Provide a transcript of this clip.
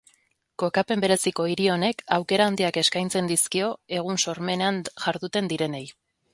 Kokapen bereziko hiri honek aukera handiak eskaintzen dizkio egun sormenean jarduten direnei.